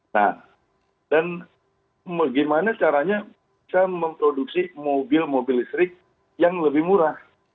nah dan bagaimana caranya bisa memproduksi mobil mobil listrik yang lebih murah